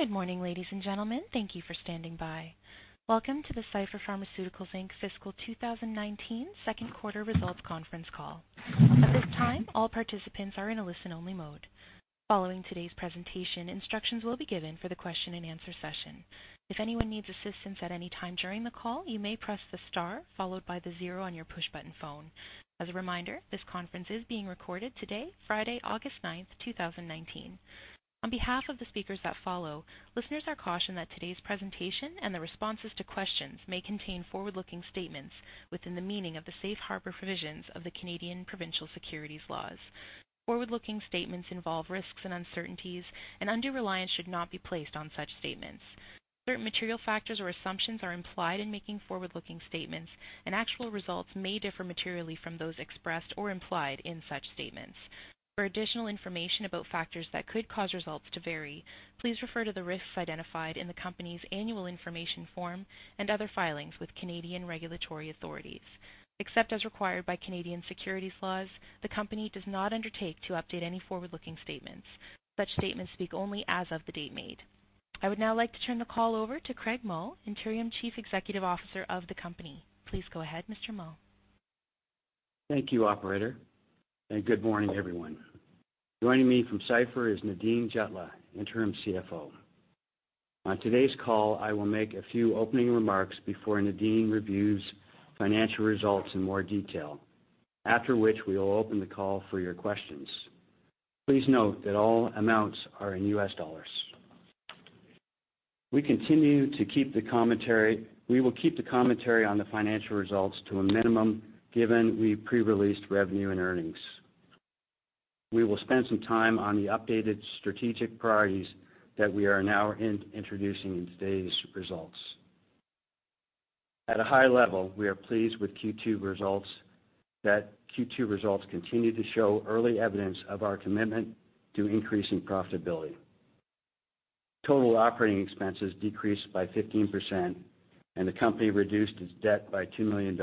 Good morning, ladies and gentlemen. Thank you for standing by. Welcome to the Cipher Pharmaceuticals Inc. Fiscal 2019 Q2 Results Conference Call. At this time, all participants are in a listen-only mode. Following today's presentation, instructions will be given for the question-and-answer session. If anyone needs assistance at any time during the call, you may press the star followed by the zero on your push-button phone. As a reminder, this conference is being recorded today, Friday, August 9th, 2019. On behalf of the speakers that follow, listeners are cautioned that today's presentation and the responses to questions may contain forward-looking statements within the meaning of the safe harbor provisions of the Canadian provincial securities laws. Forward-looking statements involve risks and uncertainties, and undue reliance should not be placed on such statements. Certain material factors or assumptions are implied in making forward-looking statements, and actual results may differ materially from those expressed or implied in such statements. For additional information about factors that could cause results to vary, please refer to the risks identified in the company's annual information form and other filings with Canadian regulatory authorities. Except as required by Canadian securities laws, the company does not undertake to update any forward-looking statements. Such statements speak only as of the date made. I would now like to turn the call over to Craig Mull, Interim Chief Executive Officer of the company. Please go ahead, Mr. Mull. Thank you, Operator. And good morning, everyone. Joining me from Cipher is Nadine Jutlah, Interim CFO. On today's call, I will make a few opening remarks before Nadine reviews financial results in more detail, after which we will open the call for your questions. Please note that all amounts are in U.S. dollars. We will keep the commentary on the financial results to a minimum given we pre-released revenue and earnings. We will spend some time on the updated strategic priorities that we are now introducing in today's results. At a high level, we are pleased with Q2 results that continue to show early evidence of our commitment to increasing profitability. Total operating expenses decreased by 15%, and the company reduced its debt by $2 million.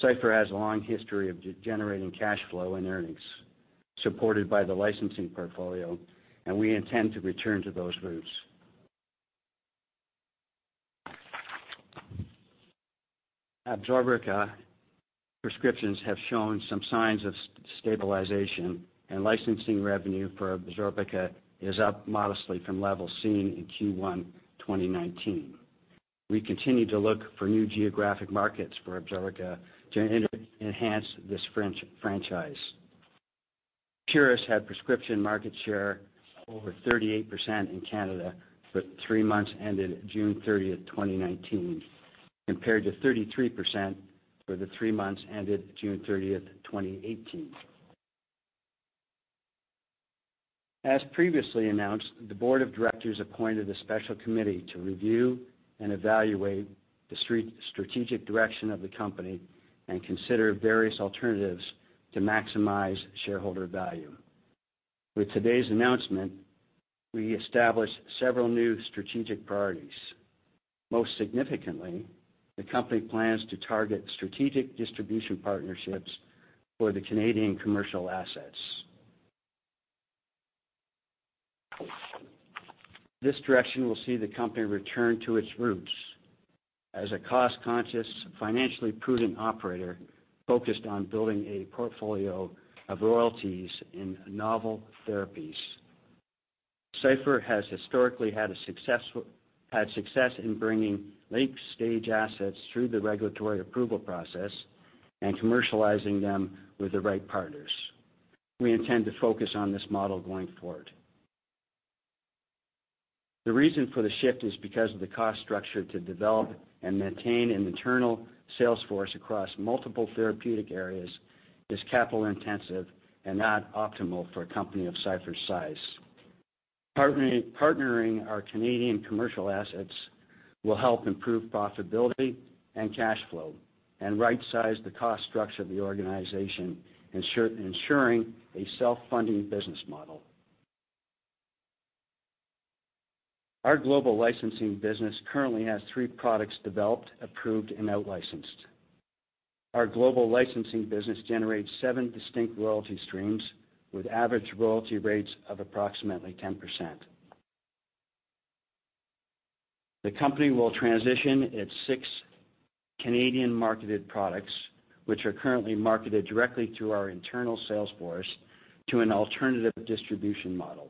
Cipher has a long history of generating cash flow and earnings supported by the licensing portfolio, and we intend to return to those roots. Absorica prescriptions have shown some signs of stabilization, and licensing revenue for Absorica is up modestly from levels seen in Q1 2019. We continue to look for new geographic markets for Absorica to enhance this franchise. Epuris had prescription market share over 38% in Canada for three months ended June 30th, 2019, compared to 33% for the three months ended June 30th, 2018. As previously announced, the Board of Directors appointed a special committee to review and evaluate the strategic direction of the company and consider various alternatives to maximize shareholder value. With today's announcement, we established several new strategic priorities. Most significantly, the company plans to target strategic distribution partnerships for the Canadian commercial assets. This direction will see the company return to its roots as a cost-conscious, financially prudent operator focused on building a portfolio of royalties in novel therapies. Cipher has historically had success in bringing late-stage assets through the regulatory approval process and commercializing them with the right partners. We intend to focus on this model going forward. The reason for the shift is because of the cost structure to develop and maintain an internal sales force across multiple therapeutic areas is capital-intensive and not optimal for a company of Cipher's size. Partnering our Canadian commercial assets will help improve profitability and cash flow and right-size the cost structure of the organization, ensuring a self-funding business model. Our global licensing business currently has three products developed, approved, and out-licensed. Our global licensing business generates seven distinct royalty streams with average royalty rates of approximately 10%. The company will transition its six Canadian-marketed products, which are currently marketed directly through our internal sales force, to an alternative distribution model.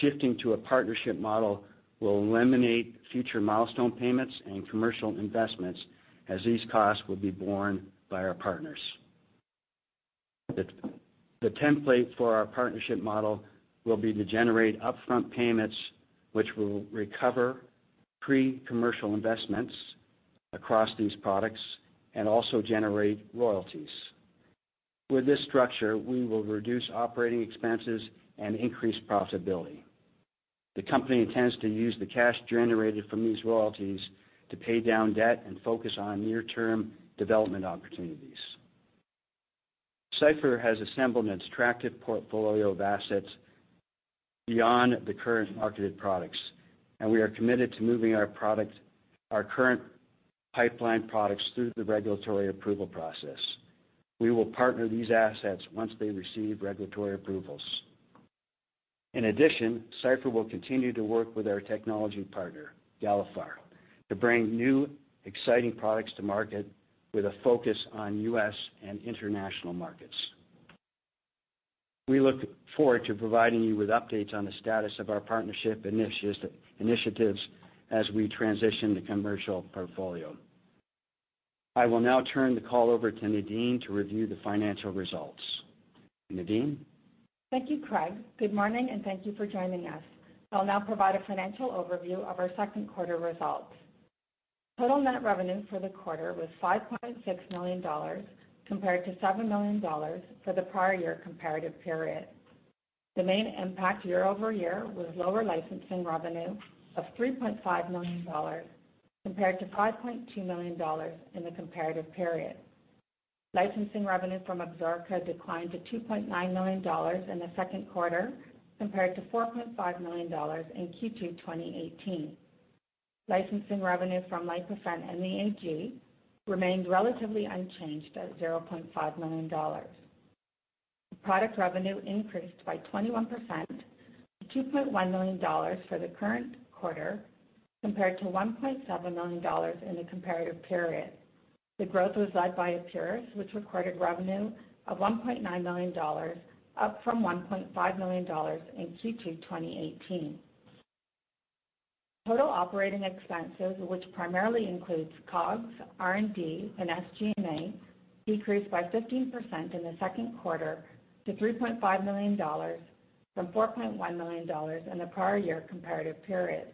Shifting to a partnership model will eliminate future milestone payments and commercial investments as these costs will be borne by our partners. The template for our partnership model will be to generate upfront payments, which will recover pre-commercial investments across these products and also generate royalties. With this structure, we will reduce operating expenses and increase profitability. The company intends to use the cash generated from these royalties to pay down debt and focus on near-term development opportunities. Cipher has assembled an attractive portfolio of assets beyond the current marketed products, and we are committed to moving our current pipeline products through the regulatory approval process. We will partner these assets once they receive regulatory approvals. In addition, Cipher will continue to work with our technology partner, Galephar, to bring new, exciting products to market with a focus on US and international markets. We look forward to providing you with updates on the status of our partnership initiatives as we transition the commercial portfolio. I will now turn the call over to Nadine to review the financial results. Nadine? Thank you, Craig. Good morning, and thank you for joining us. I'll now provide a financial overview of our Q2 results. Total net revenue for the quarter was $5.6 million compared to $7 million for the prior year comparative period. The main impact year over year was lower licensing revenue of $3.5 million compared to $5.2 million in the comparative period. Licensing revenue from Absorica declined to $2.9 million in the Q2 compared to $4.5 million in Q2 2018. Licensing revenue from Lipofen and the AG remained relatively unchanged at $0.5 million. Product revenue increased by 21% to $2.1 million for the current quarter compared to $1.7 million in the comparative period. The growth was led by Epuris, which recorded revenue of $1.9 million, up from $1.5 million in Q2 2018. Total operating expenses, which primarily includes COGS, R&D, and SG&A, decreased by 15% in the Q2 to $3.5 million from $4.1 million in the prior year comparative period.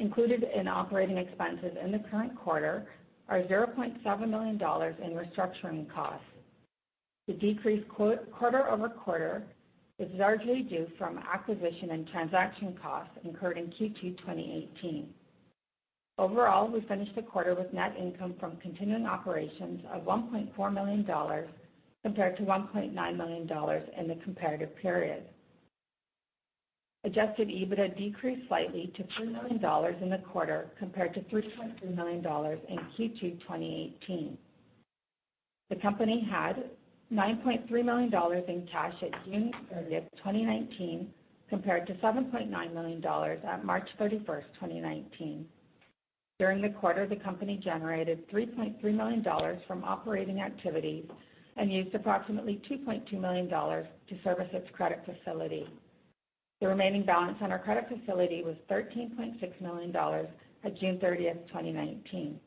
Included in operating expenses in the current quarter are $0.7 million in restructuring costs. The decrease quarter-over-quarter is largely due from acquisition and transaction costs incurred in Q2 2018. Overall, we finished the quarter with net income from continuing operations of $1.4 million compared to $1.9 million in the comparative period. Adjusted EBITDA decreased slightly to $2 million in the quarter compared to $3.3 million in Q2 2018. The company had $9.3 million in cash at June 30th, 2019, compared to $7.9 million at March 31st, 2019. During the quarter, the company generated $3.3 million from operating activities and used approximately $2.2 million to service its credit facility. The remaining balance on our credit facility was $13.6 million at June 30th, 2019.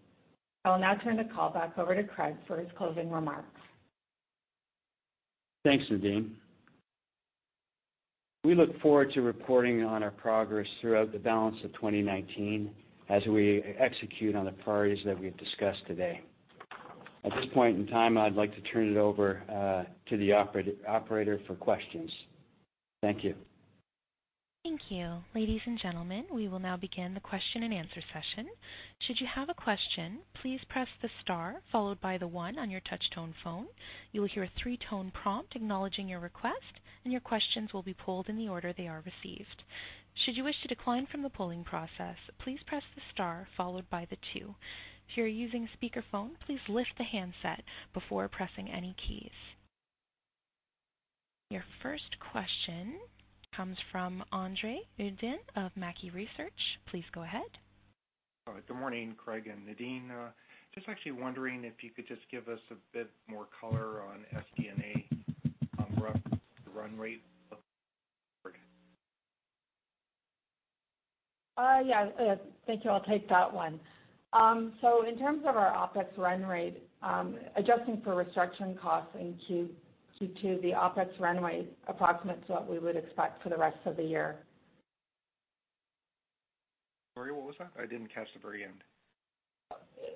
I will now turn the call back over to Craig for his closing remarks. Thanks, Nadine. We look forward to reporting on our progress throughout the balance of 2019 as we execute on the priorities that we have discussed today. At this point in time, I'd like to turn it over to the Operator for questions. Thank you. Thank you. Ladies and gentlemen, we will now begin the question and answer session. Should you have a question, please press the star followed by the one on your touch-tone phone. You will hear a three-tone prompt acknowledging your request, and your questions will be pulled in the order they are received. Should you wish to decline from the polling process, please press the star followed by the two. If you're using a speakerphone, please lift the handset before pressing any keys. Your first question comes from André Uddin of Mackie Research. Please go ahead. All right. Good morning, Craig and Nadine. Just actually wondering if you could just give us a bit more color on SG&A run rate. Yeah. Thank you. I'll take that one. So in terms of our OPEX run rate, adjusting for restructuring costs in Q2, the OPEX run rate approximates what we would expect for the rest of the year. Sorry, what was that? I didn't catch the very end.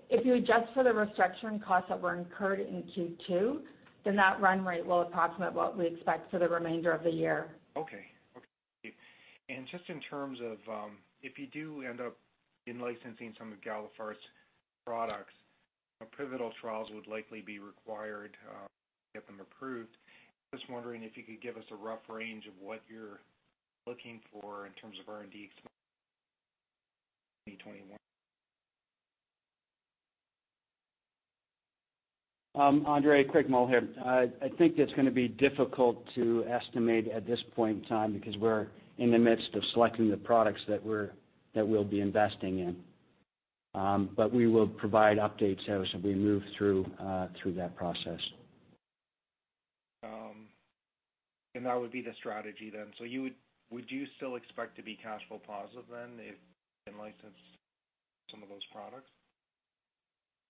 If you adjust for the restructuring costs that were incurred in Q2, then that run rate will approximate what we expect for the remainder of the year. Okay. And just in terms of if you do end up in licensing some of Galephar's products, pivotal trials would likely be required to get them approved. Just wondering if you could give us a rough range of what you're looking for in terms of R&D expenses for 2021. It's Craig Mull here. I think it's going to be difficult to estimate at this point in time because we're in the midst of selecting the products that we'll be investing in. But we will provide updates as we move through that process. That would be the strategy then. Would you still expect to be cash flow positive then if you can license some of those products?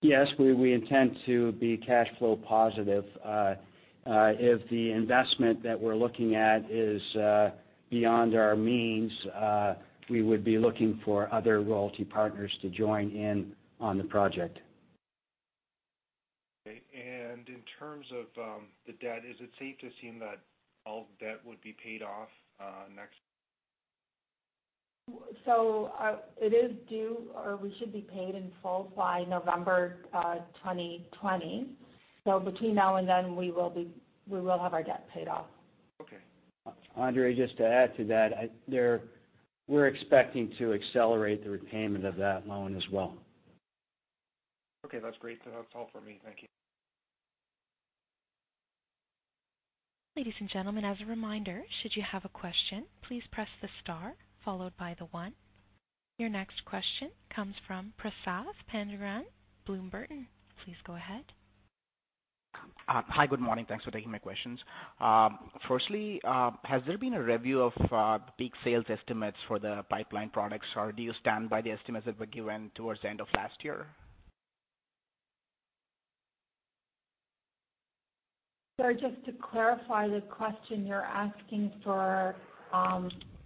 Yes. We intend to be cash flow positive. If the investment that we're looking at is beyond our means, we would be looking for other royalty partners to join in on the project. Okay, and in terms of the debt, is it safe to assume that all debt would be paid off next? So it is due or we should be paid in full by November 2020. So between now and then, we will have our debt paid off. Okay. Andre, just to add to that, we're expecting to accelerate the repayment of that loan as well. Okay. That's great. That's all for me. Thank you. Ladies and gentlemen, as a reminder, should you have a question, please press the star followed by the one. Your next question comes from Prasath Pandurangan, Bloom Burton. Please go ahead. Hi. Good morning. Thanks for taking my questions. Firstly, has there been a review of the peak sales estimates for the pipeline products, or do you stand by the estimates that were given towards the end of last year? Sorry, just to clarify the question, you're asking for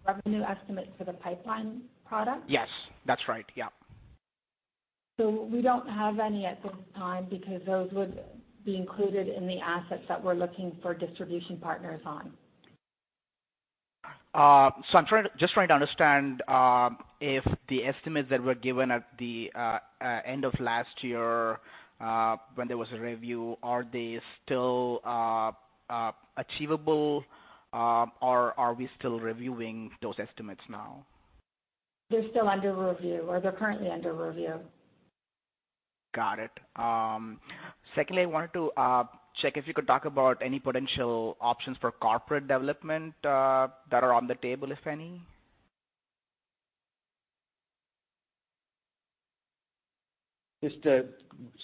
revenue estimates for the pipeline products? Yes. That's right. Yeah. So we don't have any at this time because those would be included in the assets that we're looking for distribution partners on. So I'm just trying to understand if the estimates that were given at the end of last year when there was a review, are they still achievable, or are we still reviewing those estimates now? They're still under review, or they're currently under review. Got it. Secondly, I wanted to check if you could talk about any potential options for corporate development that are on the table, if any?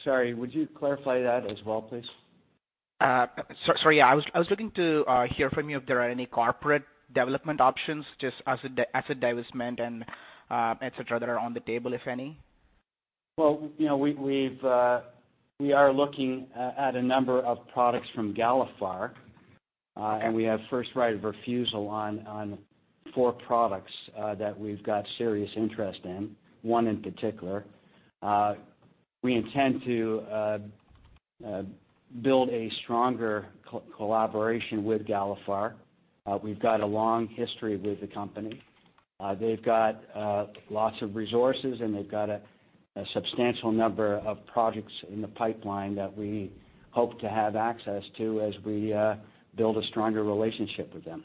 Sorry, would you clarify that as well, please? Sorry. Yeah. I was looking to hear from you if there are any corporate development options just as a divestment, etc., that are on the table, if any. We are looking at a number of products from Galephar, and we have first right of refusal on four products that we've got serious interest in, one in particular. We intend to build a stronger collaboration with Galephar. We've got a long history with the company. They've got lots of resources, and they've got a substantial number of projects in the pipeline that we hope to have access to as we build a stronger relationship with them.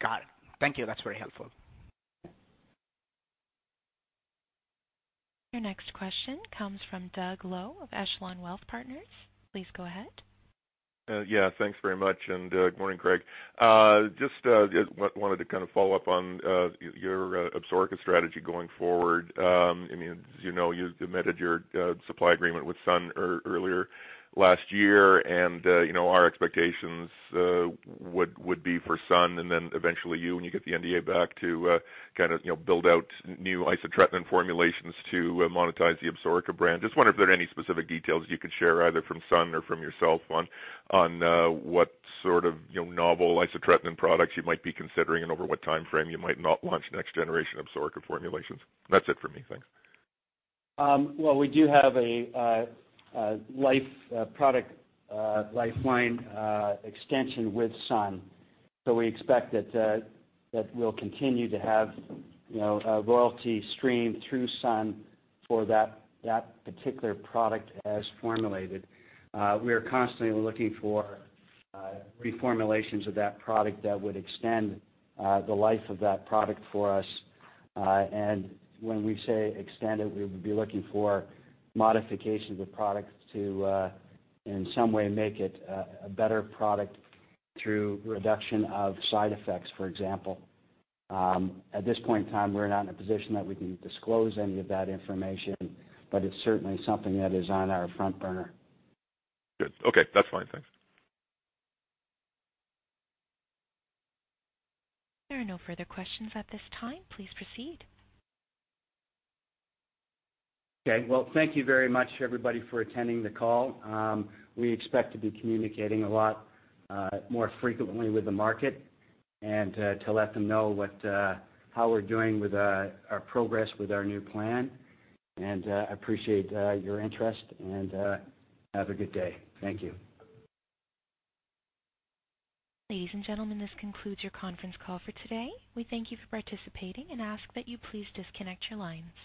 Got it. Thank you. That's very helpful. Your next question comes from Doug Loe of Echelon Wealth Partners. Please go ahead. Yeah. Thanks very much. And good morning, Craig. Just wanted to kind of follow up on your Absorica strategy going forward. I mean, you've amended your supply agreement with Sun earlier last year, and our expectations would be for Sun and then eventually you when you get the NDA back to kind of build out new isotretinoin formulations to monetize the Absorica brand. Just wonder if there are any specific details you could share either from Sun or from yourself on what sort of novel isotretinoin products you might be considering and over what time frame you might not launch next generation Absorica formulations. That's it for me. Thanks. We do have a product lifeline extension with Sun, so we expect that we'll continue to have a royalty stream through Sun for that particular product as formulated. We are constantly looking for reformulations of that product that would extend the life of that product for us. When we say extend it, we would be looking for modifications of products to, in some way, make it a better product through reduction of side effects, for example. At this point in time, we're not in a position that we can disclose any of that information, but it's certainly something that is on our front burner. Good. Okay. That's fine. Thanks. There are no further questions at this time. Please proceed. Okay. Well, thank you very much, everybody, for attending the call. We expect to be communicating a lot more frequently with the market and to let them know how we're doing with our progress with our new plan. And I appreciate your interest, and have a good day. Thank you. Ladies and gentlemen, this concludes your conference call for today. We thank you for participating and ask that you please disconnect your lines.